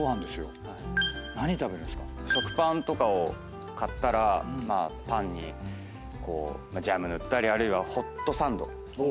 食パンとかを買ったらパンにジャム塗ったりあるいはホットサンドですかね。